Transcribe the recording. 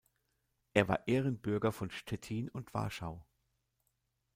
Er war Ehrenbürger von Stettin und Warschau.